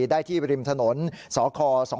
ได้ที่ริมถนนสค๒๕๖